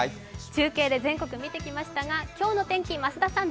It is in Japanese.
中継で全国見てきましたが、今日の天気増田さん